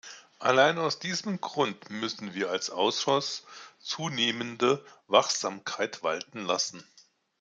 Alleine aus diesem Grund müssen wir als Ausschuss zunehmende Wachsamkeit walten lassen.